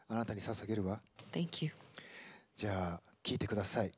じゃあ聴いてください。